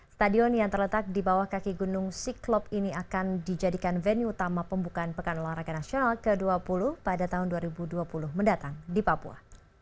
stadion yang terletak di bawah kaki gunung siklop ini akan dijadikan venue utama pembukaan pekan olahraga nasional ke dua puluh pada tahun dua ribu dua puluh mendatang di papua